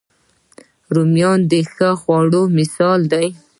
رومیان د ښه خواړه مثال دي